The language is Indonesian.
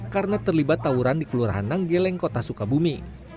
karena terlibat tawuran di kelurahan nanggeleng kota sukabumi